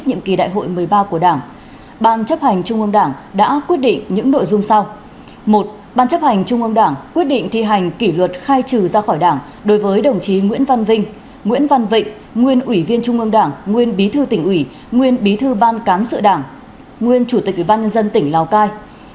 nguyên chủ tịch ủy ban nhân dân tỉnh lào cai